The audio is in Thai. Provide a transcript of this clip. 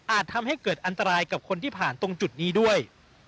ทำให้เกิดอันตรายกับคนที่ผ่านตรงจุดนี้ด้วย